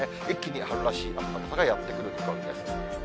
一気に春らしい暖かさがやって来る見込みです。